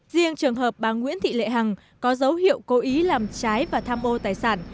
riêng trường hợp bà nguyễn thị lệ hằng có dấu hiệu cố ý làm trái và tham ô tài sản